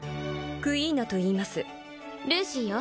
クイーナといいますルーシィーよ